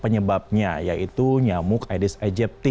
penyebabnya yaitu nyamuk aedes aegypti